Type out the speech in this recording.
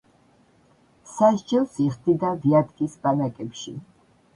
სასჯელს იხდიდა ვიატკის ბანაკებში.